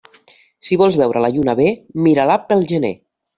Si vols veure la lluna bé, mira-la pel gener.